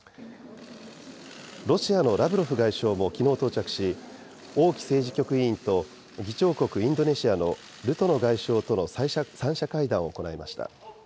ロシアのラブロフ外相もきのう到着し、王毅政治局委員と議長国インドネシアのルトノ外相との３者会談を行いました。